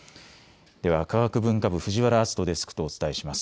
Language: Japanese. では科学文化部、藤原淳登デスクとお伝えします。